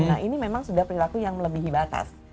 nah ini memang sudah perilaku yang melebihi batas